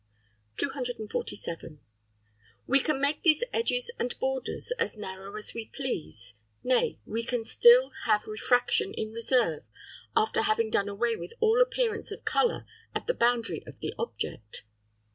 Note N. 247. We can make these edges and borders as narrow as we please; nay, we can still have refraction in reserve after having done away with all appearance of colour at the boundary of the object.